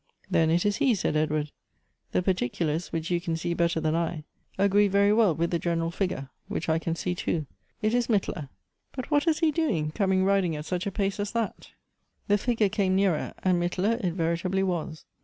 " Then it is he," said Edward ; "the particulars, which 4* 82 Goethe's you can see better than I, agree very well with the gen eral figure, which I can see too. It is Mittler; but what is he doing, coming riding at such a pace as that ?" The figure came nearer, and Mittler it veritably was.